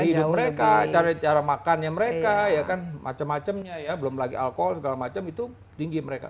hidup mereka cara cara makannya mereka ya kan macam macamnya ya belum lagi alkohol segala macam itu tinggi mereka